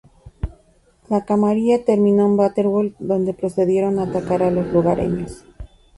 La Camarilla terminó en Battleworld donde procedieron a atacar a los lugareños.